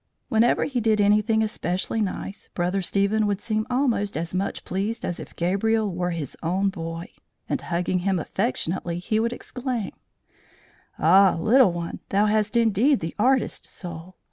Whenever he did anything especially nice, Brother Stephen would seem almost as much pleased as if Gabriel were his own boy; and hugging him affectionately, he would exclaim: "Ah, little one, thou hast indeed the artist soul!